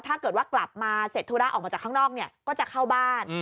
ถ้าเกิดว่ากลับมาเสร็จธุระออกมาจากข้างนอกก็จะเข้าบ้าน